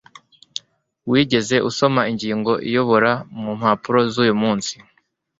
wigeze usoma ingingo iyobora mu mpapuro zuyu munsi